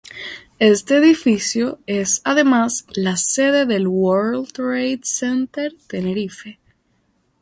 Este edificio es además la sede del World Trade Center Tenerife.